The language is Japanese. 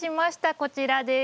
こちらです。